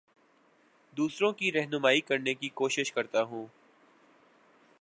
دوسروں کی رہنمائ کرنے کی کوشش کرتا ہوں